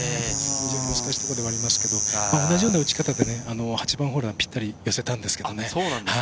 難しいところではありますけれど、同じような打ち方で８番ホールはぴったり寄せたんですけれどね。